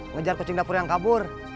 ngejar kucing dapur yang kabur